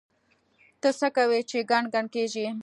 ته څه کوې چې ګڼ ګڼ کېږې؟!